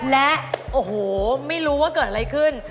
และโอ้โหไม่รู้ว่าเกิดอะไรขึ้น